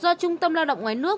do trung tâm lao động ngoài nước